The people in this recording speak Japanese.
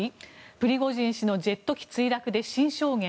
プリゴジン氏のジェット機墜落で新証言。